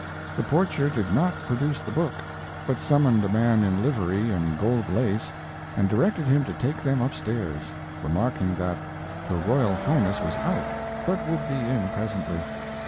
The portier did not produce the book, but summoned a man in livery and gold lace and directed him to take them up stairs, remarking that her Royal Highness was out, but would be in presently.